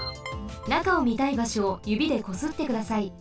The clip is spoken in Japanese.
なかをみたいばしょをゆびでこすってください。